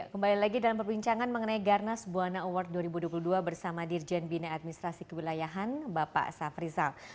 kembali lagi dalam perbincangan mengenai garnas buana award dua ribu dua puluh dua bersama dirjen bina administrasi kewilayahan bapak safrizal